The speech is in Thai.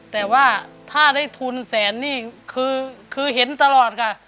แต่ว่าถ้าได้ทุนแสนนี่คือเห็นตลอดค่ะ